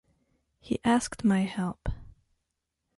He asked my help.